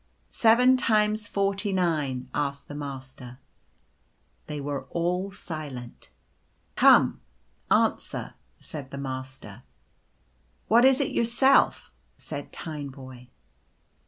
" Seven times forty nine ?" asked the Master. They were all silent. " Come, answer !" said the Master. " What is it, yourself? " said Tineboy.